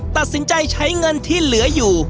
ตัดสินใจใช้เงินที่เหลืออยู่